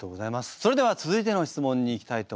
それでは続いての質問にいきたいと思います。